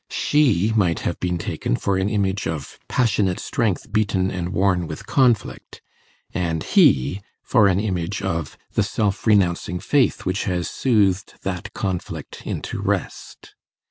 She might have been taken for an image of passionate strength beaten and worn with conflict; and he for an image of the self renouncing faith which has soothed that conflict into rest.